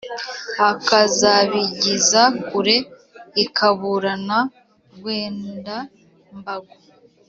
akazabigiza kure. ikaburana rwenda-mbago